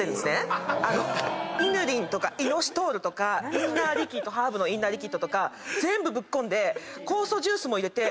イヌリンとかイノシトールとかハーブのインナーリキッドとか全部ぶっ込んで酵素ジュースも入れて。